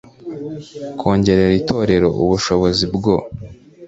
kongerera itorero ubushobozi bwo